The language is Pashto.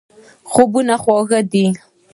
خوبونه خوږ دي.